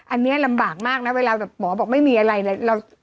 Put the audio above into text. อันนี้ลำบากมากนะเวลาแบบหมอบอกไม่มีอะไรเลย